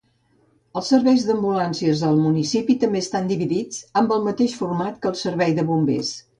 Els serveis d'ambulància al municipi també estan dividits, amb el mateix format que el servei de bombers.